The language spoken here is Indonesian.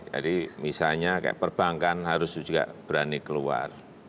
misalnya kayak perbankan harus juga berani keluar